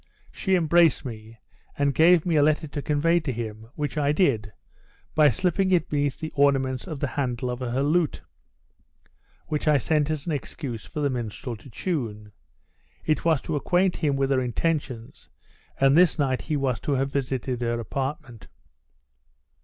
She embraced me, and gave me a letter to convey to him, which I did, by slipping it beneath the ornaments of the handle of her lute, which I sent as an excuse for the minstrel to tune. It was to acquaint him with her intentions, and this night he was to have visited her apartment!"